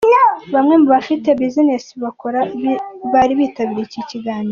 Bamwe mu bafite business bakora bari bitabiriye iki kiganiro.